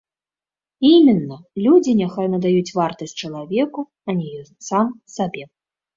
Іменна, людзі няхай надаюць вартасць чалавеку, а не ён сам сабе.